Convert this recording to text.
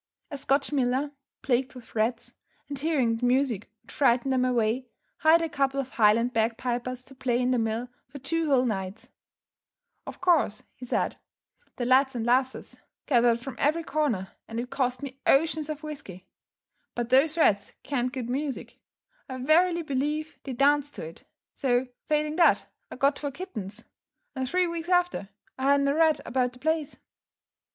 A Scotch miller, plagued with rats, and hearing that music would frighten them away, hired a couple of Highland bag pipers to play in the mill for two whole nights. (See Note Q, Addenda.) "Of course," he said, "the lads and lasses gathered from every corner, and it cost me oceans o' whisky; but those rats kent good music, I verily believe they danced to it. So, failing that, I got twa kittens; and three weeks after, I hadn't a rat about the place."